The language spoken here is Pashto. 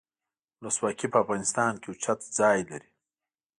ولسواکي په افغانستان کې اوچت ځای لري.